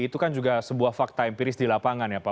itu kan juga sebuah fakta empiris di lapangan ya pak